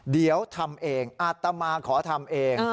เดี๋ยวทำเองอาตมาขอทำเอง